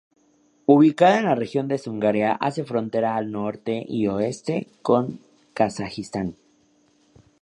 Ubicada en la región de Zungaria, hace frontera al norte y oeste con Kazajistán.